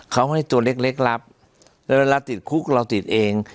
เขาให้ตัวเล็กรับแล้วเวลาติดคุกเราติดเอง